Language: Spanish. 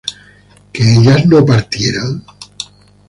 ¿que ellas no partieran?